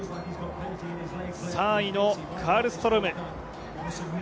３位のカルストローム。